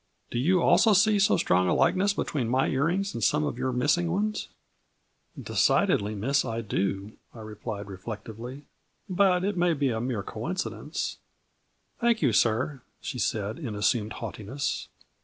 " Do you also see so strong a likeness between my ear rings and some of your missing ones ?"" Decidedly, Miss, I do," I replied reflectively; " but it may be a mere coincidence." " Thank you, sir," she said, in assumed haugh tiness.